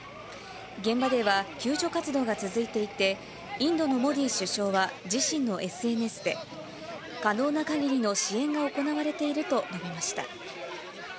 現場では救助活動が続いていて、インドのモディ首相は自身のＳＮＳで、可能なかぎりの支援が行われていると述べました。